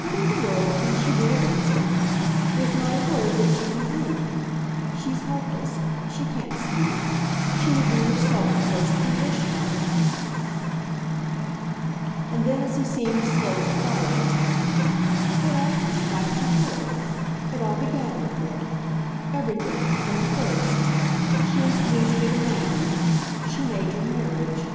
"What in the world can she do against us? There's not a word that she can breathe. She's helpless; she can't speak; she would be herself the first to be dished by it." And then as he seemed slow to follow: "It all comes back to her. It all began with her. Everything, from the first. She introduced you to Maggie. She made your marriage."